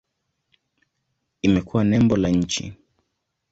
Imekuwa nembo la nchi.